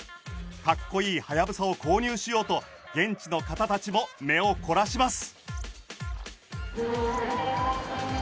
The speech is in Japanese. かっこいいハヤブサを購入しようと現地の方たちも目を凝らします。